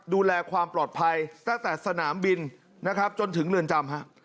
ดูแลความปลอดภัยตั้งแต่สนามบินนะครับจนถึงเรือนจำฮะ